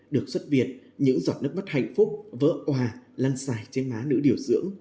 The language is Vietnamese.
được xuất viện những giọt nước mắt hạnh phúc vỡ hòa lăn xài trên má nữ điều dưỡng